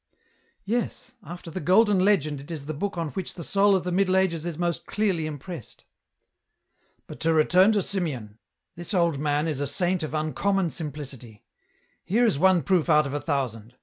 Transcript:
" Yes ; after the Golden Legend it is the book on which the soul of the Middle Ages is most clearly impressed." " But to return to Simeon ; this old man is a saint of uncommon simplicity. Here is one proof out of a thousand.